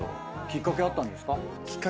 きっかけあったんですか？